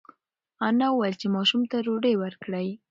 انا وویل چې ماشوم ته ډوډۍ ورکړئ.